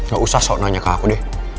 gak usah so nanya ke aku deh